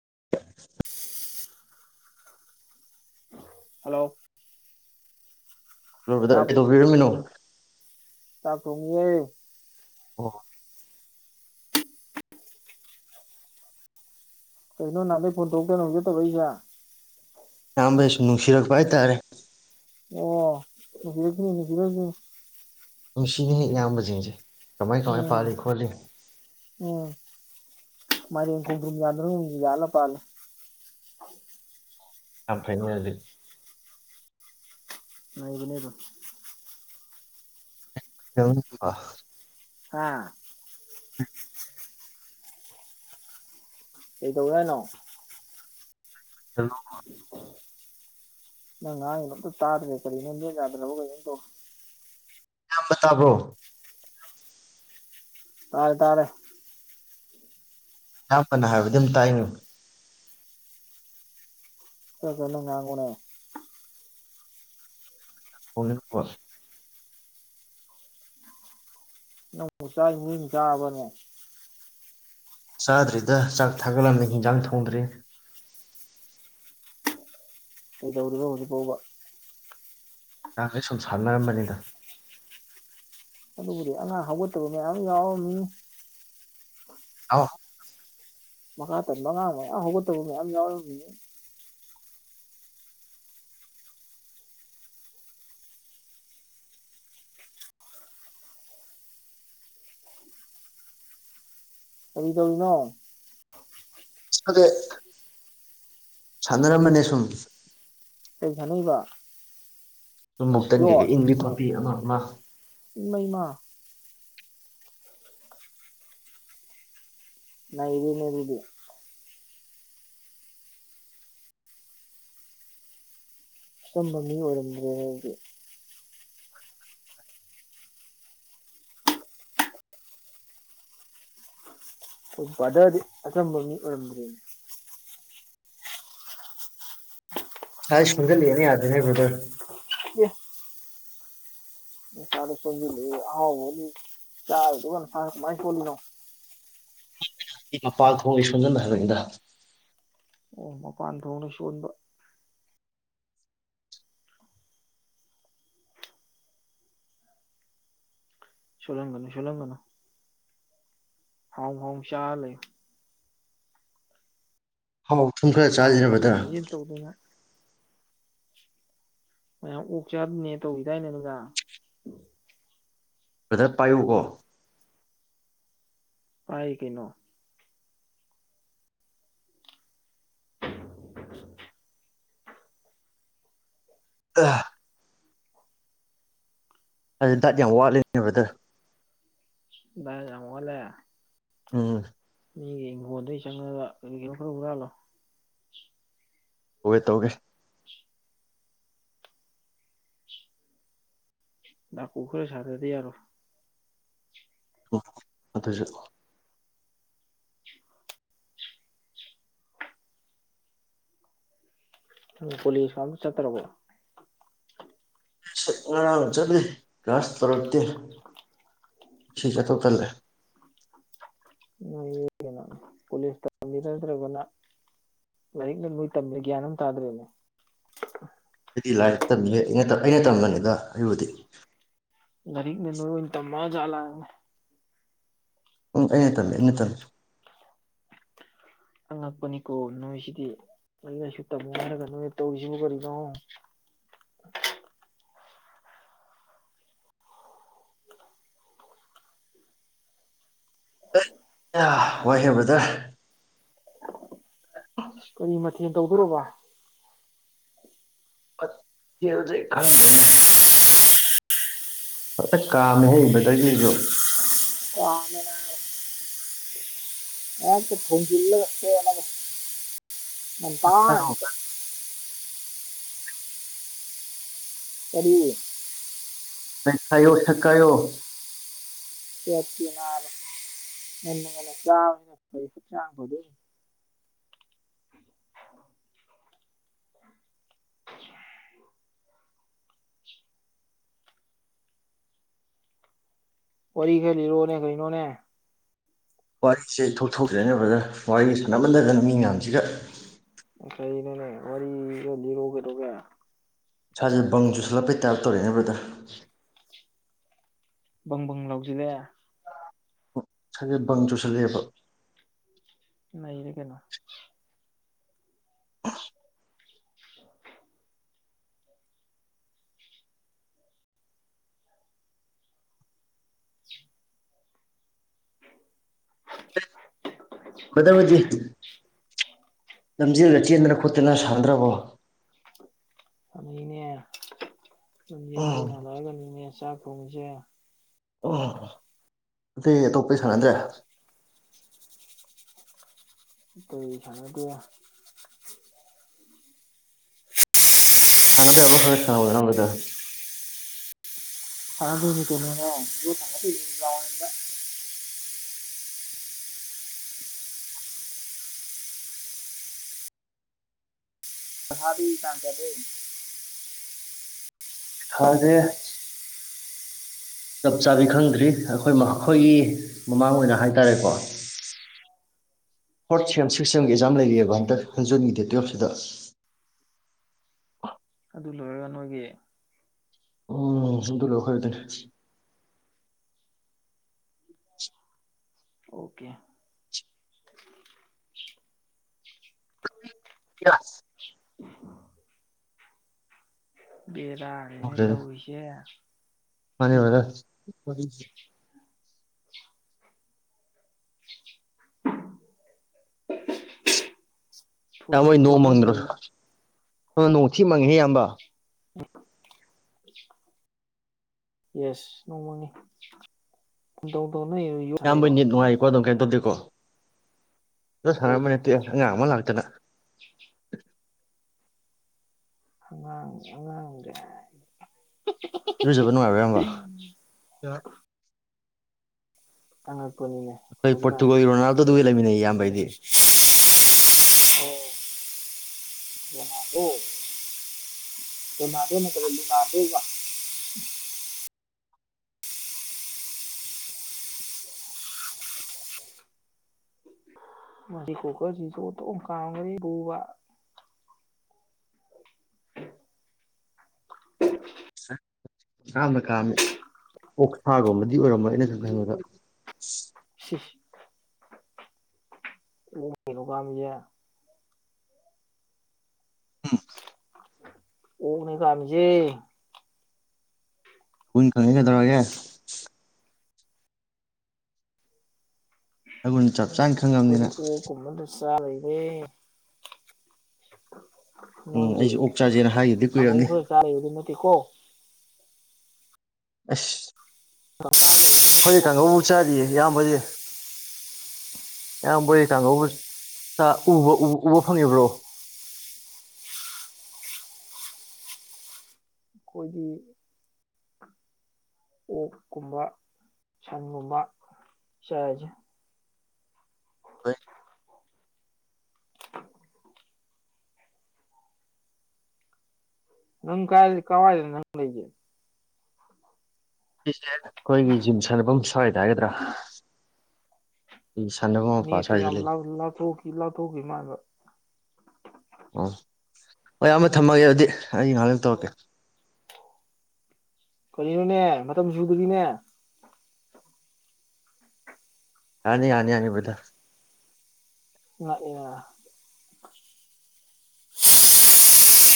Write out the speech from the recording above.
[inaudible] Hello hello ꯕꯗꯔ ꯀꯩꯗꯧꯕꯤꯔꯝꯃꯤꯅꯣ ꯆꯥꯛ ꯊꯣꯪꯏꯌꯦ ꯑꯣ ꯀꯩꯅꯣ ꯅꯍꯥꯟꯗꯩ ꯐꯣꯟ ꯊꯣꯔꯥꯛꯇꯅ ꯍꯧꯪꯖꯠꯇ ꯇꯧꯔꯀꯁꯤꯟ ꯏꯌꯥꯝꯕꯁꯤ ꯁꯨꯝ ꯅꯨꯡꯁꯤꯔꯛꯄ ꯍꯥꯏꯇꯥꯔꯦ ꯑꯣ [unintelligible] [unintelligible] ꯅꯨꯡꯁꯤꯅꯦꯍꯦ ꯏꯌꯥꯝꯕꯁꯤꯡꯁꯦ ꯀꯃꯥꯏ ꯀꯃꯥꯏ ꯎꯝ ꯄꯥꯂꯤ ꯈꯣꯂꯤ ꯎꯝ ꯃꯥꯏꯔꯦꯟ ꯈꯣꯡꯗꯔ꯭ꯨꯝ ꯌꯟꯒꯨꯝ ꯌꯜꯂꯥ ꯄꯥꯜꯂꯤ ꯌꯥꯝ ꯐꯩꯅꯦ ꯑꯗꯨꯗꯤ [unintelligible] [unintelligible] ꯍꯥꯥ [unintelligible] ꯀꯩꯗꯧꯋꯦ ꯍꯥꯏꯅꯣ [unintelligible] ꯅꯪ ꯉꯥꯡꯉꯤꯗꯨ ꯑꯝꯇ ꯇꯥꯗ꯭ꯔꯦ ꯀꯔꯤꯅꯣ ꯅꯦꯠ ꯌꯥꯗ꯭ꯔꯕ ꯀꯩꯅꯣꯝ ꯇꯧꯔꯦ꯫ ꯏꯌꯥꯝ ꯇꯥꯕꯔꯣ ꯇꯥꯔꯦ ꯇꯥꯔꯦ [unintelligible] ꯍꯥꯏꯕꯗꯤ ꯑꯗꯨꯝ ꯇꯥꯏꯅꯤ ꯈꯔꯥ ꯀꯟꯅꯥ ꯉꯥꯡꯉꯣꯅꯦ [unintelligible] [unintelligible] [unintelligible] ꯆꯥꯗ꯭ꯔꯤꯗ ꯆꯥꯛ ꯊꯥꯒꯠꯂꯝꯃꯦ ꯍꯤꯟꯖꯥꯡ ꯊꯣꯡꯗ꯭ꯔꯤ ꯀꯩꯗꯧꯔꯤꯕ ꯍꯧꯖꯤꯛ ꯐꯥꯎꯕ [unintelligible] ꯁꯨꯝ ꯁꯥꯟꯅꯔꯝꯕꯅꯤꯗ ꯑꯗꯨꯕꯨꯗꯤ ꯑꯉꯥꯡ ꯍꯧꯒꯠ [unintelligible] [unintelligible] [unintelligible] ꯃꯀꯥ ꯇꯟꯕ ꯑꯉꯥꯡ ꯃꯌꯥꯝ ꯍꯧꯒꯠꯇꯕ ꯃꯌꯥꯝ ꯌꯥꯎꯔꯝꯃꯤꯅꯤ ꯀꯔꯤ ꯇꯧꯔꯤꯅꯣ [unintelligible] ꯁꯟꯅꯔꯝꯕꯅꯦ ꯁꯨꯝ ꯀꯩ ꯁꯥꯟꯅꯩꯕ [unintelligible] [unintelligible] [unintelligible] ꯏꯃꯩꯃꯥ ꯅꯩꯔꯦꯅꯦ ꯑꯗꯨꯗꯤ ꯑꯆꯝꯕ ꯃꯤ ꯑꯣꯏꯔꯝꯗ꯭ꯔꯦꯅꯦ ꯑꯗꯨꯗꯤ [unintelligible] ꯗꯤ ꯑꯆꯝꯕ ꯃꯤ ꯑꯣꯏꯔꯝꯗ꯭ꯔꯦꯅꯦ [unintelligible] [unintelligible] ꯌꯥꯗꯔꯦꯅꯦ ꯕꯗꯔ [unintelligible] [unintelligible] [unintelligible] [unintelligible] [unintelligible] [unintelligible] ꯑꯣ ꯃꯄꯥꯟ ꯊꯣꯛꯗ ꯁꯣꯟꯕ ꯁꯣꯜꯂꯟꯒꯅꯨ ꯁꯣꯜꯂꯟꯒꯅꯨ ꯍꯥꯎ ꯍꯥꯎ ꯆꯥꯔꯥ ꯂꯩꯌꯨ ꯑꯍꯥꯎ ꯑꯊꯨꯝ ꯈꯔ ꯑꯍꯥꯎ ꯆꯥꯖꯤꯅꯦ ꯕꯗ꯭ꯔ ꯍꯛꯆꯥꯡ ꯁꯥꯖꯦꯜ ꯇꯧꯗꯅ ꯃꯌꯥꯝ ꯑꯣꯛ ꯆꯥꯅꯥꯅꯦ ꯇꯧꯒꯤꯗꯥꯏꯅꯦ ꯅꯨꯃꯤꯗꯥꯡ ꯕꯔꯗꯔ ꯄꯥꯏꯌꯨꯀꯣ ꯄꯥꯏ ꯀꯩꯅꯣ [unintelligible] ꯑꯥ ꯑꯗꯨ ꯗꯥꯏꯠ ꯌꯥꯝ ꯋꯥꯠꯂꯦꯅꯦ ꯕꯔꯗꯔ ꯗꯥꯏꯠ ꯌꯥꯝ ꯋꯥꯠꯂꯦ ꯎꯝ ꯃꯤꯒꯤ ꯏꯪꯈꯣꯜꯗꯩꯩ ꯆꯪꯉꯒ ꯀꯔꯤꯅꯣ ꯈꯔ ꯍꯨꯔꯥꯜꯂꯣ ꯍꯣꯏ ꯇꯧꯒꯦ ꯇꯥꯀꯨ ꯈꯔ ꯁꯗꯔ꯭ꯗꯤ ꯌꯥꯔꯣꯏ [unintelligible] ꯑꯗꯨꯁꯨ ꯀꯣꯂꯦꯖꯀ ꯑꯃꯇ ꯆꯠꯇꯔꯔꯕꯣ ꯉꯔꯥꯡ ꯆꯠꯂꯤ ꯒꯥꯁ ꯇꯧꯔꯛꯇꯦ ꯉꯁꯤ ꯆꯠꯇꯧ ꯇꯜꯂꯦ [unintelligible] ꯀꯩꯅꯣ ꯄꯨꯂꯤꯁ ꯇꯝꯕꯤꯔꯗ꯭ꯔꯒꯅ ꯂꯥꯏꯔꯤꯛ ꯅ ꯅꯣꯏ ꯇꯝꯃꯤꯔꯥ ꯒ꯭ꯌꯥꯟ ꯑꯃ ꯇꯥꯗ꯭ꯔꯦꯅꯦ ꯑꯩꯗꯤ ꯂꯥꯏꯔꯤꯛ ꯇꯝꯃꯤ ꯑꯩꯅ ꯑꯩꯅ ꯇꯝꯕꯅꯤꯗ ꯑꯩꯕꯨꯗꯤ ꯂꯥꯏꯔꯤꯛꯅ ꯅꯣꯏ ꯑꯣꯏꯅ ꯇꯝꯃꯖꯥꯠꯂ ꯍꯥꯏꯕꯅꯤ ꯎꯝ ꯑꯩꯅ ꯇꯜꯂꯦ ꯏꯩꯅ ꯇꯜꯂꯦ ꯑꯉꯛꯄꯅꯤꯀꯣ ꯅꯣꯏꯁꯤꯗꯤ ꯂꯥꯏꯔꯤꯛ ꯂꯥꯏꯁꯨ ꯇꯝꯃꯨ ꯍꯥꯏꯔꯒ ꯅꯣꯏꯅ ꯇꯧꯔꯤꯁꯤꯕꯨ ꯀꯔꯤꯅꯣ ꯋꯥꯏꯍꯦ ꯕꯔꯗꯔ ꯀꯔꯤ ꯃꯊꯦꯜ ꯇꯧꯗꯣꯔꯕ [unintelligible] ꯈꯪꯗꯦꯅꯦ ꯐꯖꯅꯥ ꯀꯥꯝꯃꯦꯍꯦ ꯕꯥꯔꯗꯔꯒꯤꯁꯤꯁꯨ [unintelligible] [unintelligible] ꯉꯟꯇꯥꯅ ꯍꯥꯏꯌꯣ ꯍꯦꯛꯇ ꯀꯔꯤ [unintelligible] ꯁꯦꯠꯀꯦ ꯅꯥꯕꯥ [unintelligible] ꯋꯥꯔꯤ ꯈꯔ ꯂꯤꯔꯣꯅꯦ ꯀꯔꯤꯅꯣꯅꯦ ꯋꯥꯔꯤꯁꯦ ꯏꯊꯣꯛꯊꯣꯛꯇꯔꯦꯅꯦ ꯅꯔꯗꯔ ꯋꯥꯔꯤ ꯁꯥꯟꯅꯃꯟꯗꯗꯅ ꯃꯤ ꯃꯌꯥꯝꯁꯤꯒ [unintelligible] ꯋꯥꯔꯤ ꯈꯔ ꯂꯤꯔꯛ ꯎꯅꯦ ꯏꯁꯥꯁꯦ ꯕꯪ ꯆꯨꯁꯜꯂꯞꯄꯩ ꯇꯥꯏꯞ ꯇꯧꯔꯦꯅꯦ ꯕꯥꯔꯗꯔ ꯕꯪꯕꯪ ꯂꯥꯎꯁꯤꯜꯂꯛꯑꯦ ꯏꯁꯥꯁꯦ ꯕꯪ ꯆꯨꯁꯜꯂꯦꯕ ꯅꯩꯔꯦ ꯀꯩꯅꯣ ꯕꯥꯔꯗꯔ ꯍꯣꯏꯗꯤ ꯂꯝꯖꯦꯜꯂꯒ ꯆꯦꯟꯗꯅ ꯈꯣꯠꯇꯅ ꯁꯥꯟꯅꯗ꯭ꯔꯕꯣ ꯁꯥꯅꯩꯅꯦ ꯂꯝꯖꯦꯜ ꯎꯝ ꯆꯦꯟ ꯍꯜꯂꯛꯑꯒꯅꯤꯅꯦ ꯆꯥꯛ ꯊꯣꯡꯉꯤꯖꯦ [unintelligible] ꯑꯇꯩ ꯑꯇꯣꯞꯄꯗꯤ ꯁꯅꯗꯔ꯭ꯦ [unintelligible] ꯁꯥꯅꯗꯦ [unintelligible] ꯁꯅꯕ ꯌꯥꯕ ꯈꯔ ꯈꯔ ꯁꯅꯧꯗꯅ ꯕꯔꯗꯔ [unintelligible] ꯀꯩꯅꯣꯅꯦ ꯑꯍꯥꯕꯤ ꯇꯥꯡ ꯀꯌꯥꯗꯩꯩ ꯐꯗꯦ ꯆꯞ ꯆꯥꯕꯤ ꯈꯪꯗ꯭ꯔꯤ ꯑꯩꯈꯣꯏ ꯃꯥ ꯑꯩꯈꯣꯏꯒꯤ ꯃꯃꯥꯡ ꯑꯣꯏꯅ ꯍꯥꯏꯇꯥꯔꯦꯀꯣ ꯐꯣꯔꯠ ꯁꯦꯝ ꯁꯤꯛꯁ ꯁꯦꯝꯒꯤ ꯑꯦꯛꯖꯥꯝ ꯂꯩꯔꯤꯑꯦꯕ ꯍꯟꯗꯛ ꯖꯨꯟꯒꯤ ꯗꯦꯠ ꯇꯨꯌꯦꯞꯁꯤꯗ ꯑꯗꯨ ꯂꯣꯏꯔꯒ ꯅꯣꯏꯒꯤ ꯎꯝ ꯑꯗꯨ ꯂꯣꯏ ꯑꯈꯣꯏ ꯑꯣꯏꯗꯣꯏꯅꯦ ꯑꯣꯀꯦ ꯌꯥꯁ [unintelligible] ꯕꯦꯔꯥꯅꯤꯅꯦ ꯇꯧꯔꯤꯁꯦ ꯃꯥꯅꯦ ꯕꯔꯗꯔ ꯋꯥꯔꯤꯁꯦ [inaudible] ꯅꯣꯏ ꯅꯣꯡ ꯇꯧ ꯅꯪ ꯃꯪꯗꯔꯣ ꯇꯧꯔꯤ ꯅꯣꯡꯊꯤ ꯅꯣꯡꯃꯪꯉꯤꯍꯦ ꯏꯌꯥꯝꯕ ꯌꯦꯁ ꯅꯣꯡ ꯃꯪꯉꯤ ꯑꯗꯣ ꯏꯌꯥꯝꯕꯩ ꯅꯦꯠ ꯅꯨꯡꯉꯥꯏꯔꯤꯀꯣ ꯑꯗꯨꯝ ꯀꯩꯝ ꯇꯧꯗꯦꯀꯣ ꯌꯣꯠ ꯑꯩ ꯁꯥꯅꯔꯝꯕꯩ ꯇꯧꯗꯦ ꯅꯠꯇꯦ ꯑꯉꯥꯡ ꯑꯃ ꯂꯥꯛꯇꯅ ꯑꯉꯥꯡ ꯑꯉꯥꯡ ꯒꯥꯏꯅ ꯏꯔꯨꯖꯕ ꯅꯨꯡꯉꯥꯏꯕ꯭ꯔ ꯏꯌꯥꯝꯕ [unintelligible] [unintelligible] ꯑꯩꯈꯣꯏ ꯍꯧꯖꯤꯛꯀꯥꯟ ꯄꯣꯔꯇꯨꯒꯥꯜꯒꯤ ꯔꯣꯅꯥꯜꯗꯣ ꯑꯗꯨꯒꯤ ꯂꯩꯃꯤꯟꯅꯩ ꯏꯌꯥꯝꯕ [unintelligible] ꯔꯣꯅꯥꯜꯗꯣ ꯔꯣꯅꯥꯜꯗꯣ ꯅꯥꯠꯇꯕ ꯂꯨꯅꯥꯟꯗꯣꯕ꯫ ꯃꯁꯤ ꯀꯨꯀꯔ ꯁꯤꯁꯨ ꯑꯣꯟꯇꯊꯣꯛ ꯀꯥꯝꯒ꯭ꯔꯦꯍꯦ ꯄꯨꯕ꯫ [unintelligible] ꯀꯥꯝꯃꯤ ꯑꯣꯛꯁꯥꯒꯨꯝꯕꯗꯤ ꯑꯣꯏꯔꯝꯃꯣꯏ ꯑꯩꯅ ꯁꯨꯝ ꯈꯪꯕꯗ꯫ ꯁꯤꯁ [unintelligible] ꯎꯝ꯫ ꯑꯣꯛꯅꯦ ꯀꯝꯃꯤꯖꯦ꯫ ꯒꯨꯟ ꯈꯪꯉꯤ ꯀꯩꯗꯧꯔꯒꯦ꯫ ꯨꯅꯉꯨꯟ ꯆꯞ ꯆꯥꯅ ꯈꯪꯉꯕꯅꯤꯅ ꯑꯈꯣꯏꯗꯤ ꯑꯣꯛ ꯀꯨꯝꯕꯗ ꯆꯥ ꯂꯩꯔꯦ꯫ ꯎꯝ ꯅꯣꯏꯒꯤ ꯑꯩꯁꯨ ꯑꯣꯛ ꯆꯥꯖꯦꯅ ꯍꯥꯏꯈꯤꯕꯗꯤ ꯀꯥꯡꯉꯧ ꯀꯨꯏꯔꯕꯅꯤ ꯈꯥꯔ ꯆꯥꯔ ꯂꯩꯕꯗꯨ ꯅꯠꯇꯦꯀꯣ꯫ ꯑꯁ꯫ ꯑꯈꯣꯏꯗꯤ ꯀꯥꯡꯍꯧꯕꯨ ꯑꯩꯈꯣꯏꯗꯤ ꯆꯥꯔꯤꯌꯦ ꯏꯌꯥꯝꯕ ꯍꯣꯏꯗꯤ ꯏꯌꯥꯝꯕꯣꯏ ꯍꯣꯏ ꯀꯥꯡꯍꯧ [unintelligible] ꯎꯕꯨ-ꯎꯞ- ꯎꯕ ꯐꯪꯉꯤꯕ꯭ꯔꯣ ꯑꯩꯈꯣꯏꯒꯤ ꯑꯣꯛꯀꯨꯝꯕ ꯁꯟꯒꯨꯝꯕ ꯆꯥꯏꯖꯦ [unintelligible] ꯅꯪ ꯀꯥꯏ ꯀꯥꯋꯥꯏꯗ ꯅꯪ ꯂꯩꯖꯦ ꯁꯤꯖꯦ ꯑꯩꯈꯣꯏꯒꯤ ꯖꯤꯝ ꯁꯥꯟꯅꯕꯝ ꯁ꯭ꯋꯥꯏꯗ ꯍꯥꯏꯒꯗ꯭ꯔꯥ ꯑꯩ ꯁꯥꯟꯅꯕ ꯃꯄꯥ ꯅꯦꯠꯇꯨ ꯁ꯭ꯋꯥꯏꯗ ꯌꯥꯝ ꯂꯩ ꯂꯥꯞ-ꯂꯥꯞ ꯂꯥꯞꯊꯣꯛꯈꯤ ꯃꯥꯟꯕ ꯑꯣ ꯍꯣꯏ ꯑꯃꯃ ꯊꯝꯃꯒꯦ ꯑꯗꯨꯗꯤ ꯑꯩ ꯉꯍꯥꯛ ꯂꯩꯔꯥ ꯇꯧꯔꯛꯀꯦ ꯀꯔꯤꯅꯣꯅꯦ ꯃꯇꯝ ꯁꯨꯗꯨꯔꯤꯅꯦ ꯌꯥꯅꯤ-ꯌꯥꯅꯤ-ꯌꯥꯅꯤ ꯕꯗ꯭ꯔ ꯑ [unintelligible]